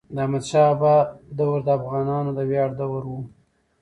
د احمد شاه بابا دور د افغانانو د ویاړ دور و.